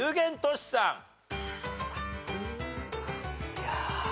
いや。